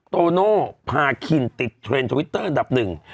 โตโน่พาคินติดเทรนด์ทวิตเตอร์อันดับหนึ่ง